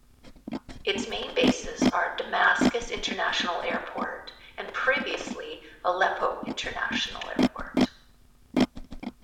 Its main bases are Damascus International Airport and previously Aleppo International Airport.